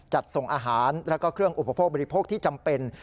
จัดส่งอาหารแล้วก็เครื่องอุปโภคบริโภคที่จำเป็น